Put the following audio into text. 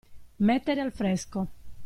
Mettere al fresco.